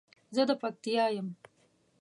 زه د پکتیا یم